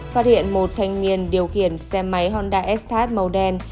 phát hiện một thanh niên điều khiển xe máy honda s tat màu đen